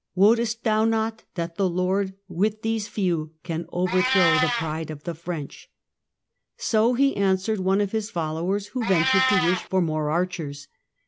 Wottest thou not that the Lord with these few can overthrow the pride of the French." So he answered one of his followers who ventured to wish for more archers.